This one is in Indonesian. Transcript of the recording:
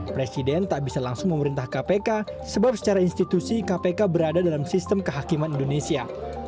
presiden tak bisa langsung memerintah kpk sebab secara institusi kpk berada dalam sistem kehakiman indonesia